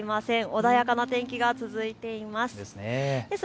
穏やかな天気が続いています。